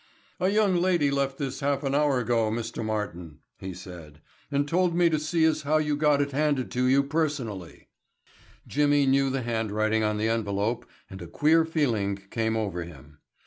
"A young lady left this half an hour ago, Mr. Martin," he said, "and told me to see as how you got it handed to you personally." Jimmy knew the handwriting on the envelope and a queer feeling came over him.